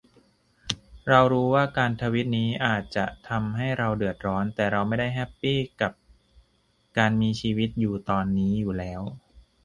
เรารู้ว่าการทวิตนี้อาจจะทำให้เราเดือดร้อน แต่เราก็ไม่ได้แฮปปี้กับการมีชีวิตอยู่ตอนนี้อยู่แล้ว